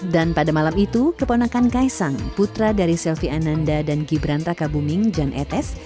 dan pada malam itu keponakan kaisang putra dari selvi ananda dan gibran raka buming jan etes